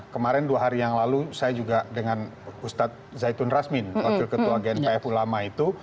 kemarin dua hari yang lalu saya juga dengan ustadz zaitun rasmin wakil ketua gnpf ulama itu